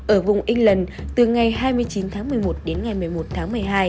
ở vùng england từ ngày hai mươi chín tháng một mươi một đến ngày một mươi một tháng một mươi hai